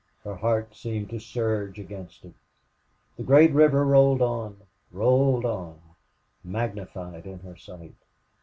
Her heart seemed to surge against it. The great river rolled on rolled on magnified in her sight.